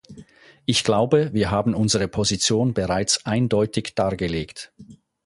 Ich glaube, wir haben unsere Position bereits eindeutig dargelegt.